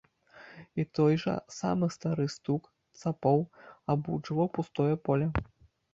І той жа самы стары стук цапоў абуджваў пустое поле.